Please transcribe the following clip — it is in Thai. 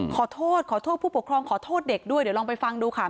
ขอโทษขอโทษผู้ปกครองขอโทษเด็กด้วยเดี๋ยวลองไปฟังดูค่ะ